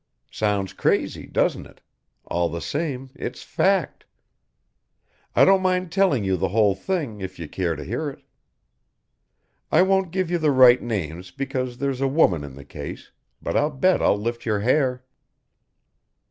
Sounds crazy, doesn't it, all the same it's fact. I don't mind telling you the whole thing if you care to hear it. I won't give you the right names because there's a woman in the case, but I bet I'll lift your hair."